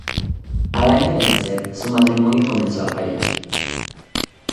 Al año de nacer, su matrimonio comenzó a fallar.